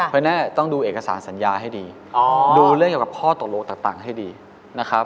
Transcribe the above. เพราะฉะนั้นต้องดูเอกสารสัญญาให้ดีดูเรื่องเกี่ยวกับข้อตกลงต่างให้ดีนะครับ